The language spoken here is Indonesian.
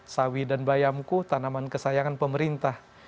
sawi dan bayamku tanaman kesayangan pemerintah